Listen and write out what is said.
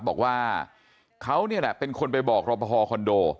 บอกว่าเขาเนี่ยแหละเป็นคนไปบอกรอบพอฮอล์คอนโด